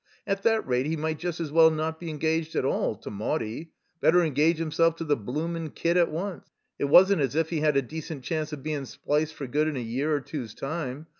At that rate he might just as well not be engaged at all — ^to Maudie; better engage himself to the bloomin' kid at once. It wasn't as if he had a decent chance of bein' spliced for good in a year or two's time.